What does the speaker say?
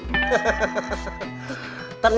masih ada lagi